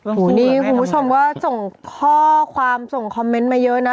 โอ้โหนี่คุณผู้ชมก็ส่งข้อความส่งคอมเมนต์มาเยอะนะ